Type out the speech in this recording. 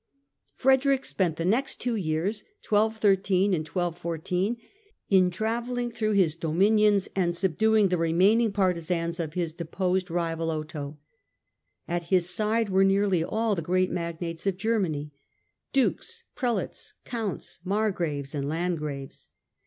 Frederick spent the next two years, 1213 and 1214, in travelling through his dominions and subduing the re maining partisans of his deposed rival, Otho. At his side were nearly all the great magnates of Germany Dukes, Prelates, Counts, Margraves and Landgraves.